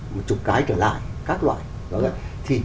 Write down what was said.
một chục cái trở lại các loại